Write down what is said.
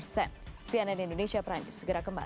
cnn indonesia peranjur segera kembali